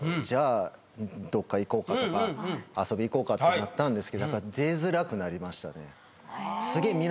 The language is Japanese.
じゃあどっか行こうかとか遊び行こうかってなったんですけどやっぱ出づらくなりましたね。